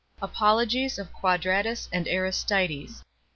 Apologies of Quadratus and Aristides.